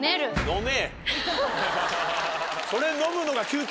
飲め！